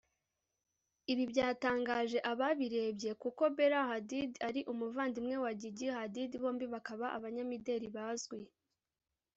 Ibi byatangaje ababirebye kuko Bella Hadid ari umuvandimwe wa Gigi Hadid bombi bakaba abanyamideli bazwi